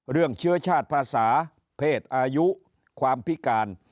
เรื่องเชื้อชาติภาษาเพศอายุความพิการ